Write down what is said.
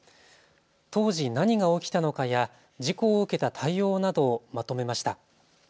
当時、何が起きたのかや事故を受けた対応などをまとめました。